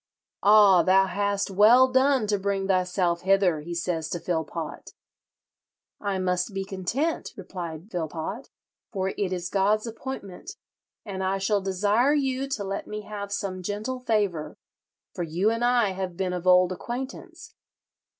"'Ah, thou hast well done to bring thyself hither,' he says to Philpot. 'I must be content,' replied Philpot, 'for it is God's appointment, and I shall desire you to let me have some gentle favour, for you and I have been of old acquaintance.'